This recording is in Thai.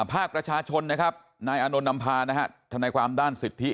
ภาคประชาชนนะครับนายอานนท์นำพานะฮะทนายความด้านสิทธิ